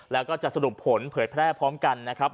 แล้วก็จะสรุปผลเผยแพร่พร้อมกันนะครับ